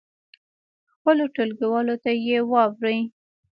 خپلو ټولګیوالو ته یې واوروئ.